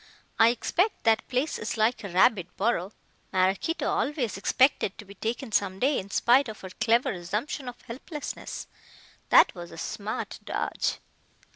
"I expect that place is like a rabbit burrow. Maraquito always expected to be taken some day in spite of her clever assumption of helplessness. That was a smart dodge."